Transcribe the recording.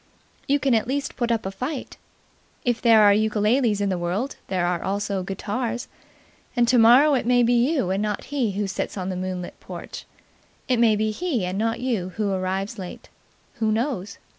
You can at least put up a fight. If there are ukuleles in the world, there are also guitars, and tomorrow it may be you and not he who sits on the moonlit porch; it may be he and not you who arrives late. Who knows?